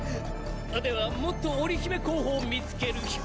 ではもっと織姫候補を見つけるヒコボシ。